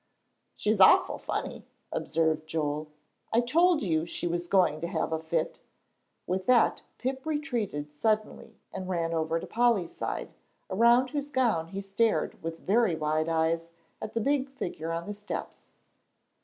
"She's awful funny," observed Joel; "I told you she was going to have a fit." With that Pip retreated suddenly and ran over to Polly's side, around whose gown he stared with very wide eyes at the big figure on the steps.